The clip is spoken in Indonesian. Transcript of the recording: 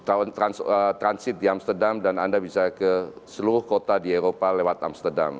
kita transit di amsterdam dan anda bisa ke seluruh kota di eropa lewat amsterdam